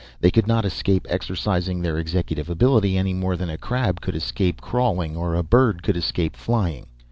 They could not escape exercising their executive ability, any more than a crab could escape crawling or a bird could escape flying.